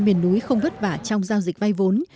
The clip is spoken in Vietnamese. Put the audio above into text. dân miền núi không bất vả trong giao dịch vay vốn